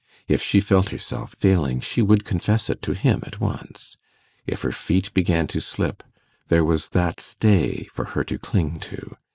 If she felt herself failing, she would confess it to him at once; if her feet began to slip, there was that stay for her to cling to.